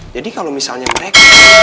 jadi kalau misalnya mereka